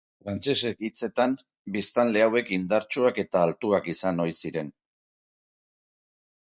Frantsesek hitzetan, biztanle hauek indartsuak eta altuak izan ohi ziren.